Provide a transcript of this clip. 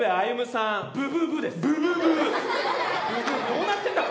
どうなってんだ